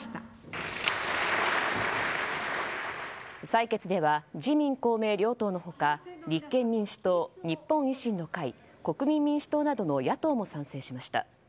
採決では自民・公明両党の他立憲民主党、日本維新の会国民民主党などの野党も賛成しました。